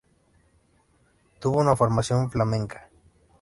Tuvo una formación flamenca.